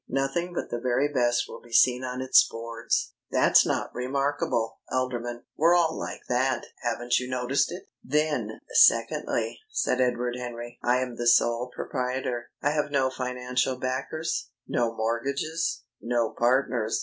"Nothing but the very best will be seen on its boards." "That's not remarkable, Alderman. We're all like that. Haven't you noticed it?" "Then, secondly," said Edward Henry, "I am the sole proprietor. I have no financial backers, no mortgages, no partners.